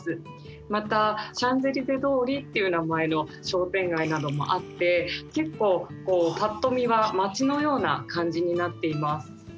またシャンゼリゼ通りっていう名前の商店街などもあって結構ぱっと見は町のような感じになっています。